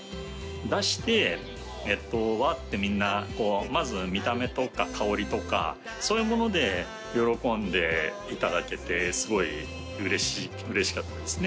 出して「わっ！」ってみんなまず見た目とか香りとかそういうもので喜んでいただけてすごいうれしかったですね。